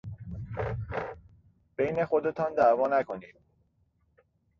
بین خودتان دعوا نکنید!